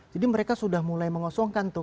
jadi mereka sudah mulai mengosongkan tuh